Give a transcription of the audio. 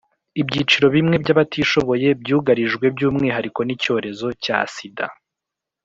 ibyiciro bimwe by'abatishoboye byugarijwe by'umwihariko n'icyorezo cya sida